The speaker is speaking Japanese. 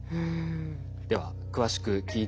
では詳しく聞いていきましょう。